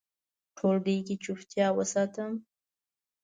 ټولګي کې چوپتیا وساتم.